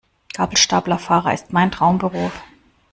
Gabelstaplerfahrer ist mein Traumberuf.